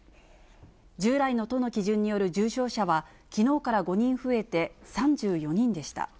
従来の都の基準による重症者はきのうから５人増えて３４人でした。